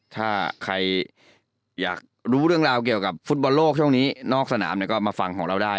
ถ้าใครอยากรู้เรื่องราวเกี่ยวกับฟุตบอลโลกช่วงนี้นอกสนามก็มาฟังของเราได้